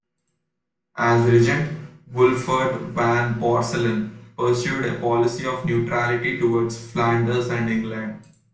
As regent, Wolfert van Borselen, pursued a policy of neutrality towards Flanders and England.